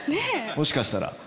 もしかしたら。